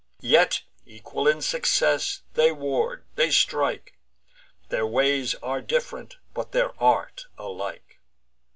Yet equal in success, they ward, they strike; Their ways are diff'rent, but their art alike.